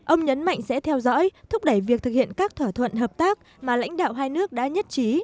ông nhấn mạnh sẽ theo dõi thúc đẩy việc thực hiện các thỏa thuận hợp tác mà lãnh đạo hai nước đã nhất trí